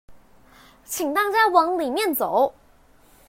請大家往裡面走